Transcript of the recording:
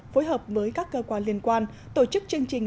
phối hợp với các cơ quan liên quan tổ chức chương trình